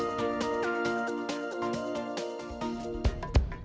kedua penonton terkesima